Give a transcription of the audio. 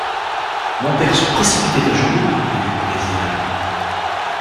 Mon père se précipitait à genoux et lui baisait la main.